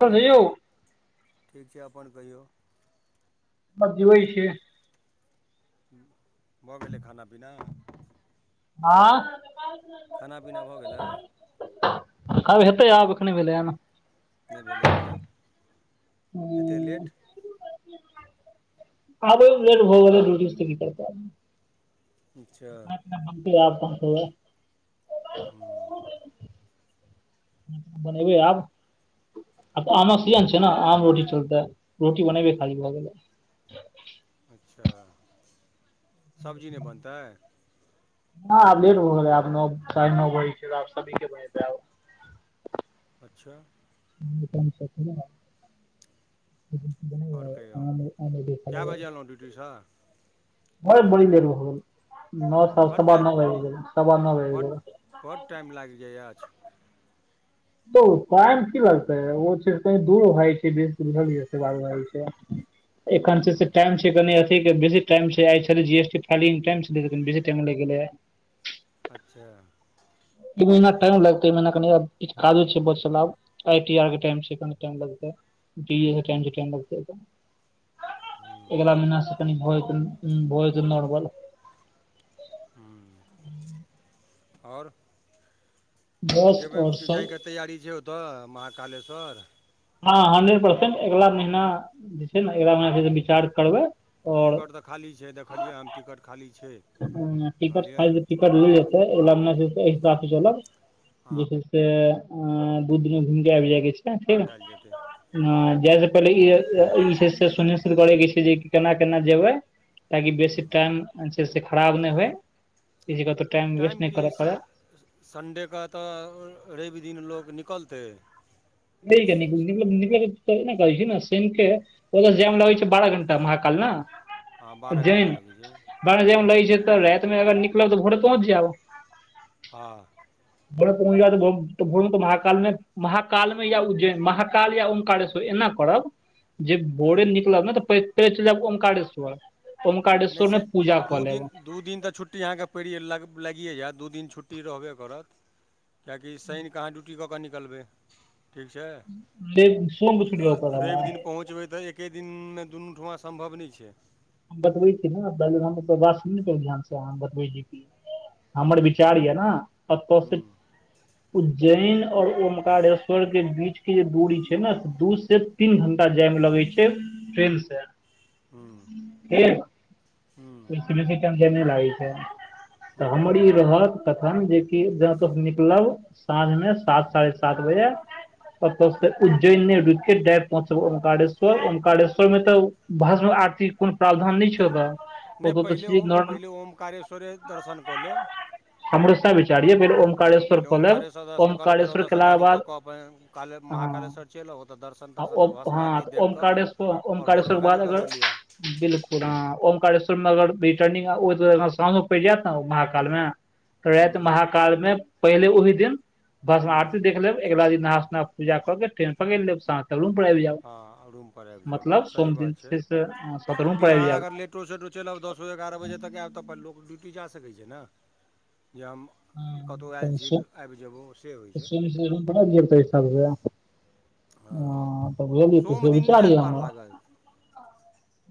किए यौ ठीक छै अपन कहियौ बजबै छै हूं भऽ गलै खाना-पीना आंह खाना-पीना भऽ गेलै खबै हेतै आब अखने भेलै हन नहि भेलैए की एते ह लेट आबैमे लेट भऽ गैलै दुटी सऽ तऽ कि करतै आदमी अच्छा बनैबै आब बनतै बनेबै आब, आब तऽ आमक हूँ सीजन छै ने आम रोटी चलतै रोटी बनेबै खाली भऽ गेलै अच्छा सब्जी नहि बनतै ह आब लेट भऽ गेलै आब नौ साढ़े नौ बजै छै त आब सब्जी के बनेतै आब अच्छा [inaudible] [unintelligible] अहा आओर कहियौ नहि अहा नै देख कए बजे एलहुँ ड्यूटीसँ लागब ह बड़ी लेट भऽ गैल नौ स बड सबा नौ बजे गेले सबा नौ साजिश गेले बढ़ टाइम लागि जाए आछ ओ टाइम की लगतै ओ छै कही दू भाई जे छै दुर्न [unintelligible] जाइ छै एखन हूँ छै से टाइम छै। के कनी अथि के बेसी टाइम छै आय छलय जी एस टी खाली ईट्रेंस दे कै कनि बेसी टाईम लाएग गेलय आय। अच्छा। ई महीना टाइम लगतै ई महीना कनि आब किछ काजो छै बचल आब। आई टी आर के टाइम छै कनि टाइम लगतै, डी ए के टाइम छै टाइम लगतै। हूँ ऐगला महिना से कनि भ जेतय उम्म भ जेतय नॉर्मल। हुं और बस जेबय आओर की सब जायके तैयारी छै ओतय महाकालेश्वर? हां हंड्रेड परसेंट ऐगला महीना जे छै नै ऐगला महीना से विचार करबय। टिकट तै खाली छै, देखलिए हम टिकट खाली छै। हां टिकट कहलियै खाली छै, टिकट लेल जेतै ओय लै नै छै एके साथे चलब। हँ जे छै से ऐ दुई दिन में घुईम के ऐब जाय के छै फेर आयल जेतै हां जाए से पहिले ई अ ई छै से सुनिश्चित करय के छै से जे केना-केना जेबय? कियाकि बेसी टाइम अ छै से खराब नै होय एक जगह पर टाइम की सै अ-अ सन्डे के त रैब दिन लोक निकलतय रैब के निकलब मतलब निकलबै त ऐना करय छीयै नै शैन के ओतय से जाए मे लगय छै बारा घण्टा महाकाल नै। हां बारा घण्टा लगय छै। बारा जाए में लगय छै तै राएत मे अगर निकलब तऽ भोरे पहुँच जाएब। हां। भोरे पहुंच जाएब त भोर त भोर मे तै महाकाल मे महाकाल मे या उज्जैन महाकाल या ओंकारेश्वर एना करब जे हँ भोरे निकलब नै तो पै पहले चैल जाएब ओंकारेश्वर। नै से दू दिन दू दिन तै छुट् टी अहाँ के पेड़िए लागियै जाएत दू दिन छुट्टी रहबे करत कियाकि शैन के अहाँ ड्यूटी कऽ कऽ निकलबै ठीक छै, लेब सोम छुटि जाउ ओकर अ हमरा रैब दिन पहुँचबय तै ऐह के दिनमे दुनू ठमा संभव नै छै। हम बतबै छी नै बैग्राउंड के आवाज सुनही नै पहले ध्यान से हम बतबै छीयो की हूँ हमर विचार यै नै ओतय हूँ से उज्जैन और ओंकारेश्वर के बीच के जे दूरी छै नै से दू से तीन घंटा जाय मे लगय छै ट्रेन से। हूं। के ओय से बेसी टैम जाए में नै लागय छै। तऽ हूँ हमर ई रहत तखन जे कि जा तक निकलब साँझ मे सात साढ़े सात बजे ऐतय से उज्जैने रुक के डायरेक्टर पहुचब ओंकारेश्वर ओंकारेश्वर मे तै भस्म आरती के कुनु प्रावधान नै छै ओतय नै पहिले ओ पहिले ओंकारेश्वरे दर्शन कऽ लेब। हमरो सैह विच चार यै फेर हँ ओंकारेश्वर पहिले क लेब, ओमकारेश्वर दर्शन कऽ ले फेर ओंकारेश्वर ओतयसँ केला के गाड़ी कऽ बाद कऽ अपन काले अ हां। महाकालेश्वर चलि आउ ओतय दर्शन आ तर्शन ओ भस्म हां आरती त देखि कऽ ओंकारेश्वर आओर ओंकारेश्वर भोरमे के गाड़ी बाद पकड़ि अगर लिअ बिलकुल हां ओंकारेश्वर त अगर रिटर्निग आ ओ तै ओना साँझो पैड़ जाएत नै महाकाल मे राएत ह्म महा काल मे पहिले ओहिी दिन ह्म भस्मारती देख लेब। एकग दी नाना पूा के ट्रेन पकड़ लब साँ सतरू पर आबि जाय हँ रूमपर आबि जायब मतलब सही सोम दिन बात छै से सतरूम पर आबि जायब। ऑटो सोटो चलि आब दस बजे एगारह बजे तक आयब तऽ अपन लोक ड्यूटी जा सकै छै ने जे हम कतहु आयल छी आबि जेयबहु से होइत छै। [unintelligible] जरतै त हँ [unintelligible] सोम से दिन नहि विचार आयल पार अहाँ लागत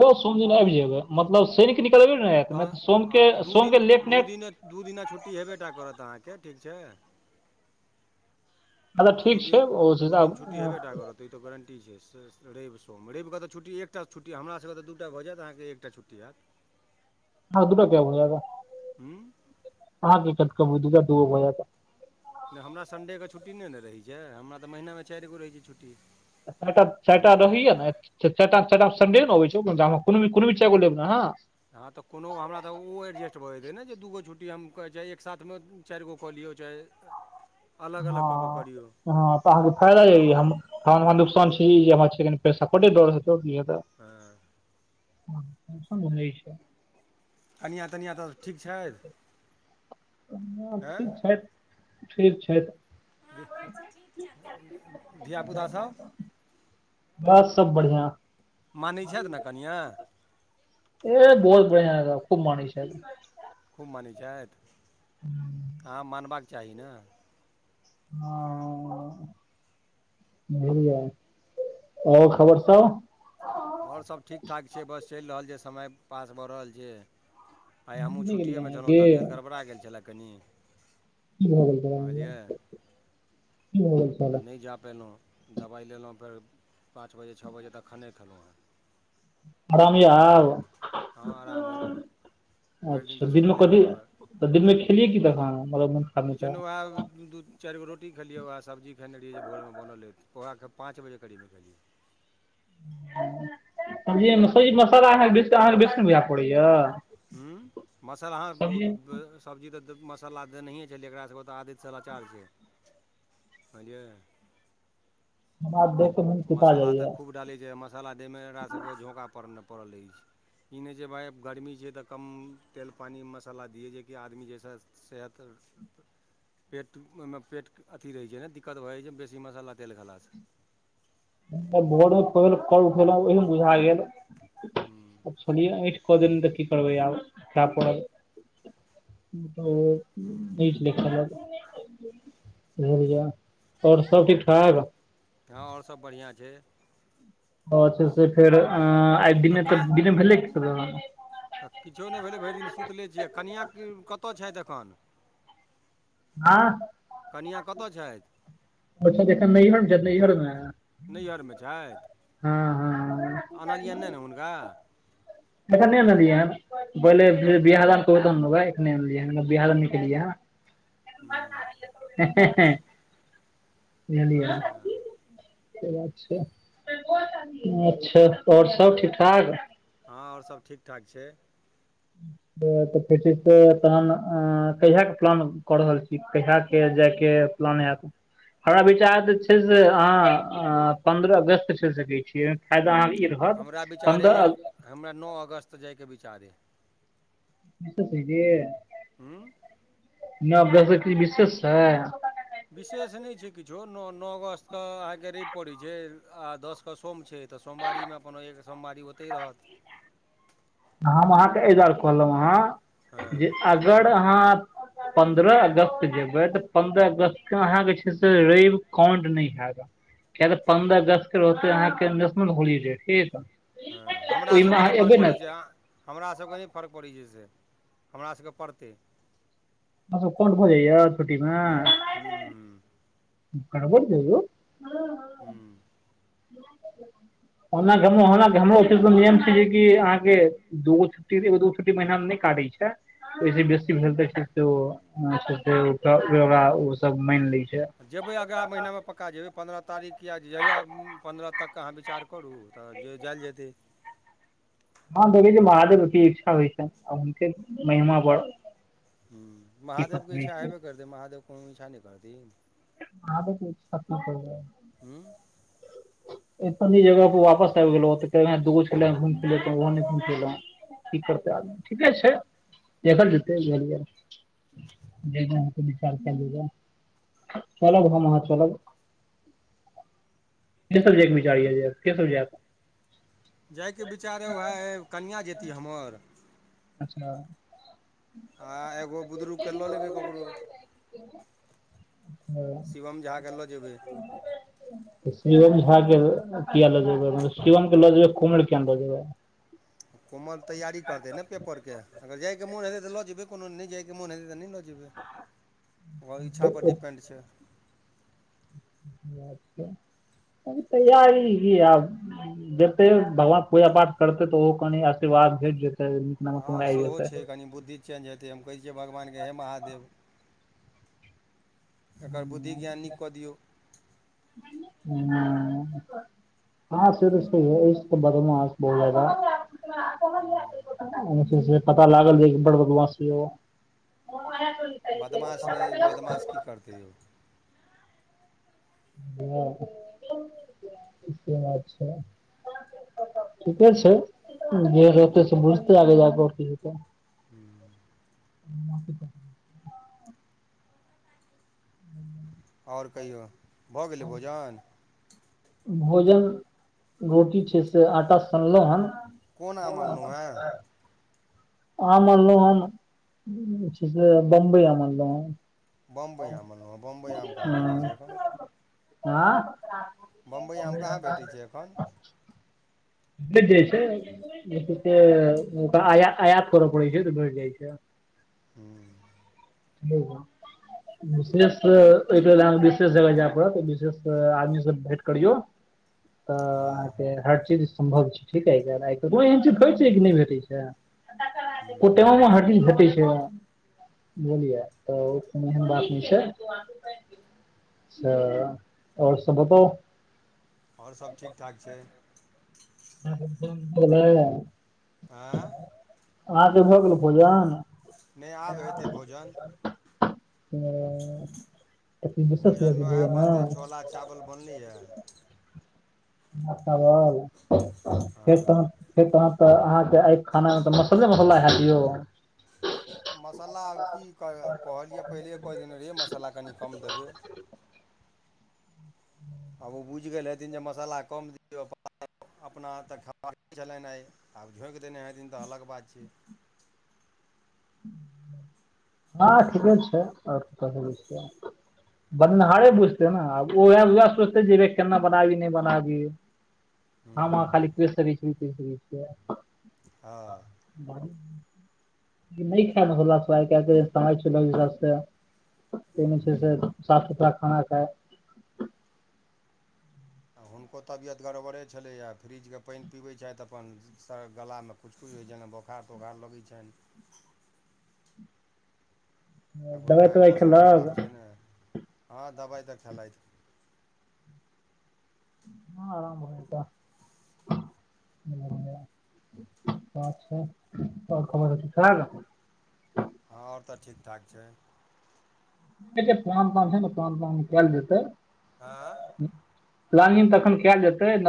यौ सन दिन आबि जेबै मतलब शर क न करबी ने तहन सोम आ के दू सोम दिन के लेट दू नाट दिने दू दिना छुट्टी हेबेटा करत अहाँके ठीक छै। अच्छा दू ठीक छै दिन, उस दू हिसाब दिन छुट्टी हेबे टा करत तऽ ई तऽ गारंटी छै से रवि सो रव कऽ तऽ छुट्ट एकटा छुट्ट हमरासभके तऽ दूटा भऽ जायत अहाँके एकटा छुट्टी होयत। [inaudible] हँ दूटा क्य हो जागा ह ककत कम दूटा दूगो हो जागा। नहि हमरा सडेके छुट्टी नहि ने रहैत छै हमरा तऽ महिनामे चारि गो रहैत छै छुट्टी। सटा चटा हमरा तऽ रहिय ने। त चारटास्नडे ने अबै छै कोनो भी कोनो भी चगो लेब ने ह। हँ तऽ कोनो हमरा तऽ ओ एडजस्ट भऽ जेतै ने जे दूगो छुट्टी हम कहै चाहे एक साथमे चार गो कऽ लियौ चाहे। त [unintelligible] हँ हँ तऽ अहाँके फायदा य हम हमरा नुकसान हँ छी हमर छै पैस कोटे दड़ हतौए तऽ हँ ह सुन भ जाै छै [unintelligible] कनिआ तनिआ तऽ ठीक छथि? ह हँ ठीक छै, ठीक छथि। ह पहिल से ठिक छथिन। धियापुतासभ? बस सब बढ़िआँ [unintelligible] मानै छथि ने कनिया। ए बहुत बढ़आ रह खूब मानेए छथि [unintelligible] खूब मानै छथि हँ मानबाके चाही ने। [inaudible] ब [unintelligible] आओर खबर स आओर सब ठीक ठाक छै, बस चल रहल छै समय पास भऽ रहल छै। आइ हमहूँ घुमने गेलियै छुट्टिएमे अहाँ छलौ तबियत की गड़बड़ा गेल छलय कनि की भऽ गेल छलै की समझलिय भऽ गेल तऽ छलै न जा पेलौ। दबाइ लेलौ फेर पाँच बजे छओ बजे तक खाने खलौ हँ। आराम य आब हँ आराम अइ [unintelligible] भरि दिन अच्छा तऽ दिनमे सुतले कथी रहबै तऽ दिनमें खेलियए की द खाना बड़ा मन खराब रहै त [unintelligible] चारिगो रोटी खेलियै उहै सब्जी खेने रहियै जे भोरमे बनलै ओकरा पाँच बजे करीब खेलियै। [unintelligible] मसाला अहाँके अहाँके बेसी बुझ पड़ैया। हू मसला अहाँ बहुत बेस सब्जी तऽ मसला देनहिए छल एकरा सँके ओ तऽ आदितसँ लाचार छै बझलियै। ह [unintelligible] मसाला तऽ खूब डालैत छै मसाला दैमे एकरासभके झोका पड़ पड़ल रहैए छै। इ नहि छै भाय आब गर्मी छै तऽ कम तेल पानीमे मसाला दियै जे कि आदमी जेहिस‌सँ सेहत [unintelligible] पेट ओहिमे पेट अथी रहै छै ने दिक्कत भऽ जाइ छै बेसी मसाला तेल खेलासँ। भोर मे तहन करू खेलीयै ओहिमे एहन बुझा हूँ गेल छलियै को दिन तऽ की करबै आब खे पड़ल। त ब लख [unintelligible] बझलियै ओर सब ठीक ठाक। हाँ ओर सब बढ़ियाँ छै। ओछ से फेर आइ दिने तऽ दिने भेले खाना तऽ किछो नहि भेलै भरि दिन सुतले छियै कनियाँ कतऽ छैथ अखन? हँ कनियाँ कतऽ छथि? ओ छथि एखन नैहर ज ‌नैहर में। नैहरमे छेथ हँ आनालियन नहि ने हुनका। एखन नहि अनलीयै हन [unintelligible] कहलिया क अखन बनियाँ दान हमलोगने बिहार निकलियिया हूँ [unintelligible] एलिया [unintelligible] अच्छा अच्छा ओर सब ठीक ठाक? हाँ ओर सब ठीक ठाक छै। [inaudible] तऽ फेर छै से तहन कहियाके प्लान कऽ रहल छी कहियाके जे के? ‌ प्लन हैत। हमरा विचार छै जे अहाँ‌ पंद्ररा अगस्त चलि सकै छीयै फायदा अहाँ इरहाद हमरा विचार अइ बन्द। जे हमरा नौ अगस्त जेके विचार ए। क छैजिय। हूँ न ब जैसकि विशेष छै। विशेष नहि झुइक जो नौ नो अगस्त क आगे रैब पड़ैत छै आ दसकऽ सोम छै। तऽ सोमवारीमे अपन एक सोमवारी ओतहि रहत। हम अहाँके एहि दुआरे कहलहु हँ हां जे अगर अहाँ पन्द्रह अगस्त जेबै तऽ पन्द्रह अगस्तके अहाँके छै से र‌इव काउंट न‌इ हैत। किया तऽ पन्द्रह अगस्त के रहते यहाँके नेशनल होलीडे ठीक। हँ हमरा ओहिमे सभके अहाँ नहि फर्क एबै ने पड़ै छै अहाँके हमरा सभके नहि फर्क पड़ हमरा सबके पड़तै। अहाँ सब कोंट भजाइया छुट्टी में। हूँ हूँ। कवर जैयो। हुं। री नियम छै जे कि अहाँके [inaudible] दुध छुटी दो छुटी महिनामे नहि काटै छै। ओइसे बेसी भेल तऽ ओ सब मानि लै छै। जेबै अगिला महिना में पका जेबै पन्द्रह तारीख या जहिआ पन्द्रह तक्के अहाँ विचार करू तहन जे जाइल जेतै। हँ देखै छी महादेव की इच्छा होइ छै आ हुनके महिमा पर हूँ महादेवके सकैत इच्छा छी। हेबे करतै महादेव कोनो इच्छा नहि करथिन। आबो किछ खतम करबै। हुं एत जगह पर वापस आबि गेल अय एत ने दूगो छलै [inaudible] की करतै आदमी ठीके छै देखल जेतै बुझलियै जेहन अहाॅं के विचार कएल हुए चलब हम अहाँ चलब के सब जायके विचार अई जा के सब जैत जायके विचार ह उएह कनिआँ जेती हमर अच्छा आ एगो बुदरुगके लऽ लेबै ककरो शिवम झा के लऽ जेबै शिवम झा के किया ल जेब‌य शिवम के लऽ जेबय कोमल के किया न‌ई लऽ जेब‌इ कोमल तैयारी करतै ने पेपर के अगर जाय के मन हेतय तऽ लऽ जेबै कोनो नहि जाय के मन हेतै तऽ नहि लऽ जेबै जेबै ओकर इच्छा पर लऽ डिपेन्ड छै [unintelligible] आब तैयारी की आब [inaudible] जेतै भगवान पूजा पाठ करतै तऽ ओहोद कनि आशीर्वाद भेट जेतैइ हँ सेहो छै कनि बुद्धि चेंज हेतै हम कहै छियै भगवानके हे महादेव एकर बुद्धि ज्ञान नीक कऽ दियौ [unintelligible] हुं हँ [unintelligible] बढ़िया अछि बहुत ज्यादा [inaudible] पता लागल जे बड़ बदमास छ‌लैय ओ [unintelligible] बदमाश नहि बदमाश की करतै यौ ह [inaudible] से बात छै ठीके छै जे होतै से बुझतै आगे जाक‌ऽ और कि हेतय हूं आओर कहियौ भऽ गेलै भोजन भोजन रोटी छै से आटा सनलहुँ हन कोन आम अनलहुँ हेँ आम अनलहुं हन जे छै से बम्बई आम अनलहुं हन बम्बइ आम अनलहुँ हन बम्बइ आम कहाँ भेटै छै एखन आँ बम्बइ आम कहाँ भेटै छै एखन भेट जाय छै जे छै से आया आयात करऽ पड़ै छै तऽ भेट जाइ छै हूँ [unintelligible] विशेष एहिके लेल अहाँके विशेष जगह जाय पड़त विशेष आदमी सब भेंट करियौ तऽ हँ अहाॅंके हर चीज सम्भव छै ठीक आइ काइल कोनो एहन चीज देखै छियै कि नहि भेटै छै [unintelligible] ह्म बुझलियै तऽ ओ कोनो एहन बात नहि ह्म छै अच्छा आओर सब बताउ आओर सब ठीकठाक छै [unintelligible] हां अहां के भऽ गेलौ भोजन। नहि आब हेतै भोजन ह कथी विशेष छय भोजनमे भोजन उएह बनतै अहां छोला चावल बनलै यैं मांछ चावल हँ फेर तहन फेर तहन तऽ अहाँके आय खाना मे त मसल्ले- मसल्ला हैत यौ। मसल्ला आब की कह कहलियै, पहिले कहि देने रहियै मसल्ला कनि कम देबै। [inaudible] आब ओ बुझि गेल हथिन जे मसल्ला कम दियौ [unintelligible] अपना हाथक खेबाक छलनि आइ, आब झोंकि देने हेथिन त अलग बात छै। हँ ठीके छै, और कथी बुझते आब बनेनहारे बुझते ने आब। ओ वैंह-वैंह सोचते जे भई केना बनाबी, नहि बनाबी हम ह्म अहां खाली। [unintelligible] हँ लेकिन नही खैब मसल्ला सब, तेहन समय चलल अय हिसाब से तहिमे ह्म छै से साफ सुथरा खाना खाय। आ हुनको तबियत गड़बड़े छलैए, फ्रीजके पानि पीबै छथि अपन सड़ गला मे कुच-कुच होइ छनि, जेना बोखार-तोखार लगै छनि। दवाइ अखुनका ए तवाइ मौसम खेलक खराब छै ने, हँ दवाइ तऽ खेलैथि। हँ आराम भ जेता [unintelligible] [unintelligible] हँ आओर तऽ ठीक ठाक छै‌। एखैन जे प्लान-त्लान छै ने प्लान त्लान कैल जेतै। हँ प्लानिंग तखन कैल जेतै न